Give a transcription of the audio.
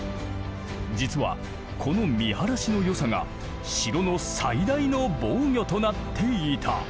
実はこの見晴らしの良さが城の最大の防御となっていた。